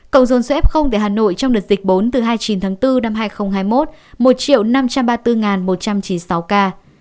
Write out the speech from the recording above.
cầu dồn cf tại hà nội trong đợt dịch bốn từ hai mươi chín tháng bốn năm hai nghìn hai mươi một một năm trăm ba mươi bốn một trăm chín mươi sáu ca